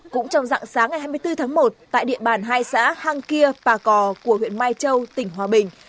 cũng trong dạng sáng ngày hai mươi bốn tháng một tại địa bàn hai xã hang kia bà cò của huyện mai châu tỉnh hòa bình